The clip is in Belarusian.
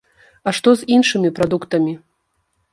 А што з іншымі прадуктамі?